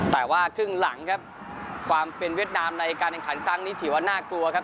แต่ว่าครึ่งหลังครับความเป็นเวียดนามในการแข่งขันครั้งนี้ถือว่าน่ากลัวครับ